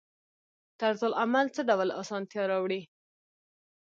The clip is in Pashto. طرزالعمل څه ډول اسانتیا راوړي؟